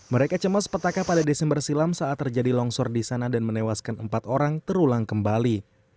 mereka cemas petaka pada desember silam saat terjadi longsor di sana dan menewaskan empat orang terulang kembali